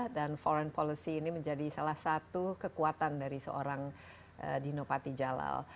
dan foreign policy ini menjadi salah satu kekuatan dari seorang dino patijalal